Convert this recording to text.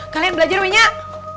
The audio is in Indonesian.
kalian belajar banyak